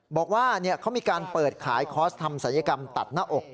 บอกว่าเขามีการเปิดขายคอร์สทำศัลยกรรมตัดหน้าอก